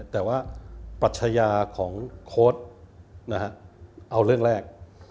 แต่ว่าปัชญาของโค้ดเอาเรื่องแรก